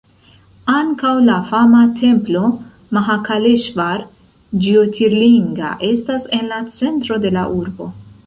Ankaŭ la fama templo Mahakaleŝvar Ĝjotirlinga estas en la centro de la urbo.